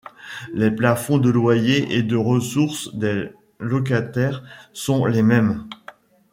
Les plafonds de loyer et de ressources des locataires sont les mêmes.